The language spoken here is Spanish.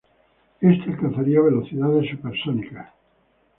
Éste alcanzaría velocidades supersónicas.